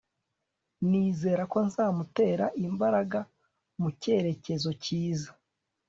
nizere ko nzamutera imbaraga mu cyerekezo cyiza